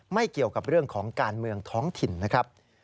เกี่ยวกับเรื่องของการเมืองท้องถิ่นนะครับ